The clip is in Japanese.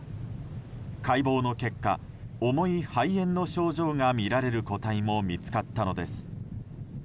解剖の結果、重い肺炎の症状がみられる個体も見つかったのです。